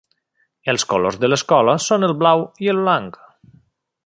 Els colors de l'escola són el blau i el blanc.